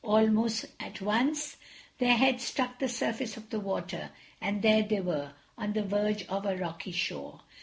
Almost at once their heads struck the surface of the water, and there they were, on the verge of a rocky shore.